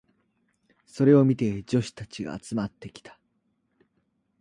それを見て女子たちが集まってきた。